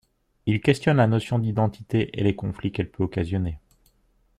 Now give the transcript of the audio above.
Il questionne la notion d'identité et les conflits qu'elle peut occasionner.